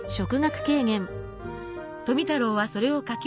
富太郎はそれを描き